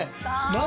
何？